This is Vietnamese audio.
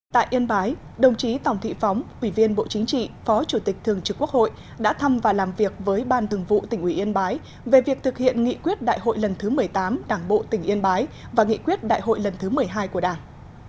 tại yên bái đồng chí tòng thị phóng ủy viên bộ chính trị phó chủ tịch thường trực quốc hội đã thăm và làm việc với ban thường vụ tỉnh ủy yên bái về việc thực hiện nghị quyết đại hội lần thứ một mươi tám đảng bộ tỉnh yên bái và nghị quyết đại hội lần thứ một mươi hai của đảng